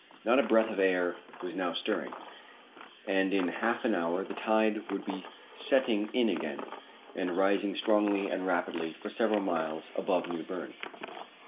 Not a breath of air was now stirring, and in half an hour the tide would be setting in again, and rising strongly and rapidly for several miles above New Berne.